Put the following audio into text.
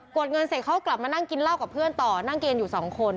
ดเงินเสร็จเขากลับมานั่งกินเหล้ากับเพื่อนต่อนั่งเกณฑ์อยู่สองคน